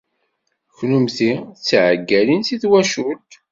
Kennemti d tiɛeggalin seg twacult.